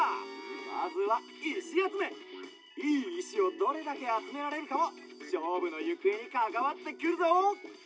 いいいしをどれだけあつめられるかもしょうぶのゆくえにかかわってくるぞ。